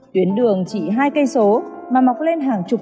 tuyến đường chỉ hai km mà mọc lên hàng chục